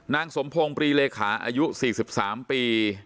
นางสมพงศ์ปรีเลขาอายุ๔๓ปี